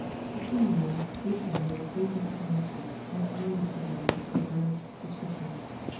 The single men looked on her with open admira tion, and eyed each other with covert suspicion.